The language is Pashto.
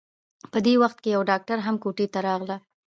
په دې وخت کې يوه ډاکټره هم کوټې ته راغله.